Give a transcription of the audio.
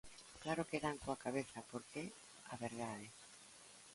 ¡Claro que dan coa cabeza porque é a verdade!